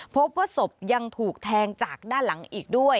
พบว่าศพยังถูกแทงจากด้านหลังอีกด้วย